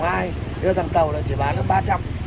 nhưng mà thằng tàu nó chỉ bán khoảng ba trăm linh